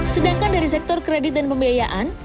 sedangkan dari sektor kredit dan pembiayaan